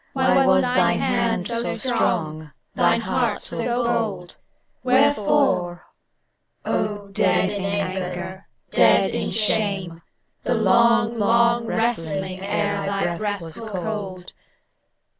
Why was thine hand so strong, thine heart so bold? Wherefore. O dead in anger, dead in shame, The long, long wrestling ere thy breath was cold?